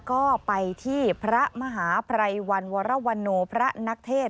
ก็ไปที่พระมหาภัยวันวรวรโนพระนักเทศ